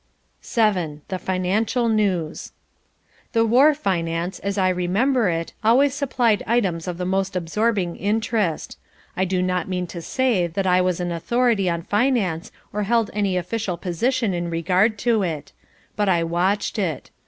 VII THE FINANCIAL NEWS The war finance, as I remember it, always supplied items of the most absorbing interest. I do not mean to say that I was an authority on finance or held any official position in regard to it. But I watched it.